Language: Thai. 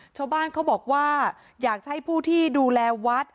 ชาวบ้านเขาบอกว่าอยากให้ผู้ที่ดูแลวัด